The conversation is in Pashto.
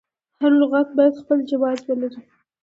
هر لغت باید خپل جواز ولري.